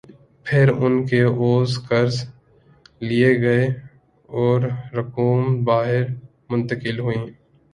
پھر ان کے عوض قرض لئے گئے اوررقوم باہر منتقل ہوئیں۔